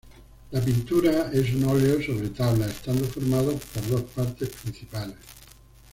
La pintura es un óleo sobre tabla estando formado por dos partes principales.